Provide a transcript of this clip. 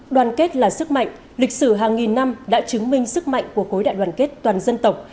đoàn kết là sức mạnh lịch sử hàng nghìn năm đã chứng minh sức mạnh của cối đại đoàn kết toàn dân tộc